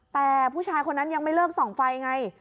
แต่ผู้ชายคนนั้นยังไม่เลิกส่องไฟไง